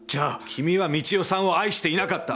「君は三千代さんを愛していなかった」。